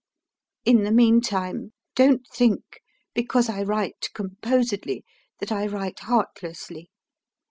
"In the meantime, don't think, because I write composedly, that I write heartlessly.